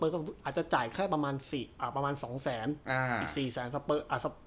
ก็จะจ่ายแค่ประมาณ๒๐๐๐๐๐บาทอีก๔๐๐๐๐๐บาท